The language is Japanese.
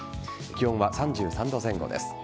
気温は３３度前後です。